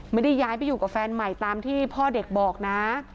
ไม่ได้ย้ายไปอยู่กับแฟนใหม่ตามที่พ่อเด็กบอกนะ